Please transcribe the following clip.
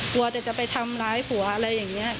กลัวแต่จะไปทำร้ายผัวอะไรอย่างนี้